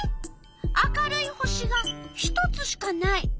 明るい星が１つしかない。